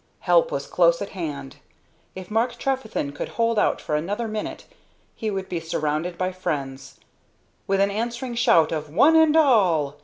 Help was close at hand. If Mark Trefethen could hold out for another minute he would be surrounded by friends. With an answering shout of "One and all!"